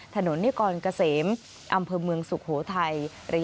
นิกรเกษมอำเภอเมืองสุโขทัย